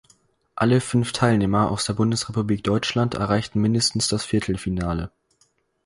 Alle fünf Teilnehmer aus der Bundesrepublik Deutschland erreichten mindestens das Viertelfinale.